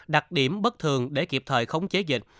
đặc điểm bất thường để kịp thời khống chế dịch